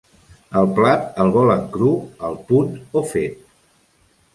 El plat, el volen cru, al punt o fet?